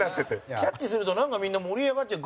キャッチすると、なんかみんな盛り上がっちゃって。